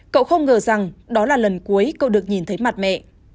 cậu không ngờ rằng đó là lần cuối cu được nhìn thấy mặt mẹ